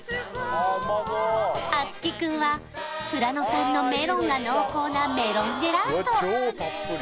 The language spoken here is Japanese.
蒼月くんは富良野産のメロンが濃厚なメロンジェラート